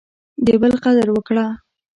د بل قدر وکړه.